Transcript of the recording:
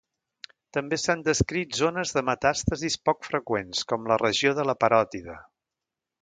També s'han descrit zones de metàstasis poc freqüents, com la regió de la paròtide.